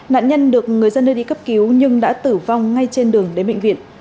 nạn nhân được người dân nơi đi cấp cứu nhưng đã tử vong ngay trên đường đến bệnh viện